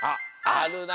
あるな。